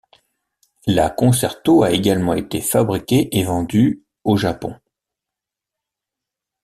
La Concerto a également été fabriquée et vendue au Japon.